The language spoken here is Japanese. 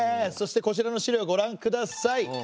そしてこちらの資料ご覧ください。